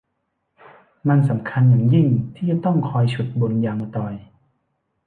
มันสำคัญอย่างยิ่งที่จะต้องคอยฉุดบนยางมะตอย